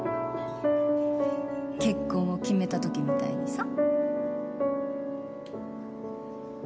結婚を決めた時みたいにさ。